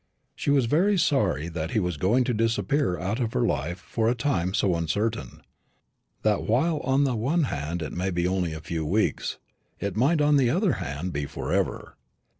She was very sorry that he was going to disappear out of her life for a time so uncertain, that while on the one hand it might be only a few weeks, it might on the other hand be for ever.